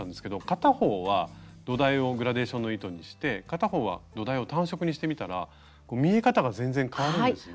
片方は土台をグラデーションの糸にして片方は土台を単色にしてみたら見え方が全然変わるんですね。